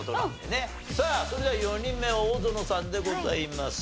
さあそれでは４人目大園さんでございます。